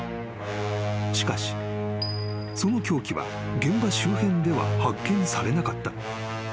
［しかしその凶器は現場周辺では発見されなかった］